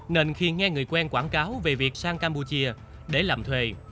nên khi nghe người quen quảng cáo về việc sang campuchia để làm thuê